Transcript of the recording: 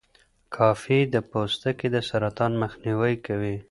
کافي د پوستکي د سرطان مخنیوی کوي.